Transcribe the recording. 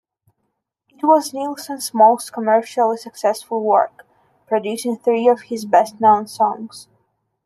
It was Nilsson's most commercially successful work, producing three of his best-known songs.